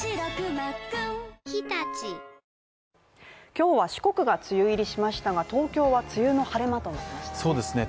今日は四国が梅雨入りしましたが東京は梅雨の晴れ間となりましたね。